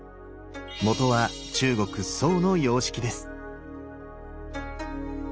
元は中国・宋の様式です。